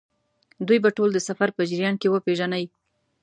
دوی به ټول د سفر په جریان کې وپېژنئ.